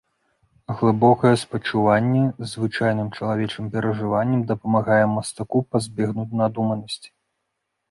Глыбокае спачуванне звычайным чалавечым перажыванням дапамагае мастаку пазбегнуць надуманасці.